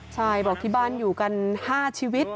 ใช่บอกที่บ้านอยู่กัน๕ชีวิต